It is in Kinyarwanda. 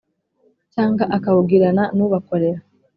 cyangwa akawugirana n ubakorera